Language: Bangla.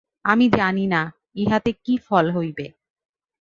আমি জানি না, ইহাতে কি ফল হইবে।